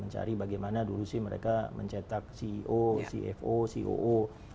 mencari bagaimana dulu sih mereka mencetak ceo cfo ceo